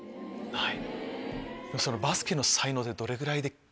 はい。